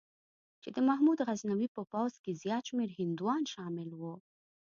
چې د محمود غزنوي په پوځ کې زیات شمېر هندوان شامل وو.